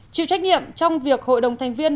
chịu trách nhiệm trong việc hội đồng thành viên